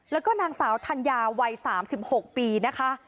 แล้วก็นางสาวธัญญาวัย๓๖ปีนะคะ